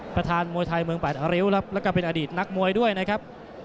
ประธานมวยไทยเมืองแปดอาริวครับแล้วก็เป็นอดีตนักมวยด้วยนะครับ